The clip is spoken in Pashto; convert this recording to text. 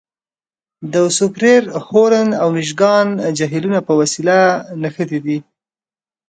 د سوپریر، هورن او میشګان جهیلونه په وسیله نښتي دي.